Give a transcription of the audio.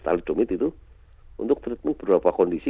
talidomid itu untuk treatment berapa kondisi